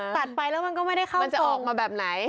ตัดไปแล้วมันก็ไม่ได้เข้ามันจะออกมาแบบไหน